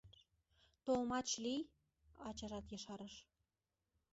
— Толмач лий, — ачажат ешарыш.